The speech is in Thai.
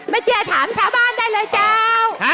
เจียถามชาวบ้านได้เลยเจ้า